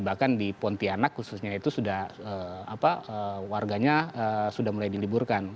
bahkan di pontianak khususnya itu sudah warganya sudah mulai diliburkan